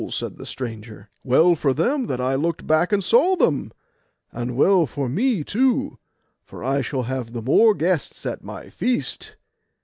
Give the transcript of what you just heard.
said the stranger. 'Well for them that I looked back and saw them! And well for me too, for I shall have the more guests at my feast.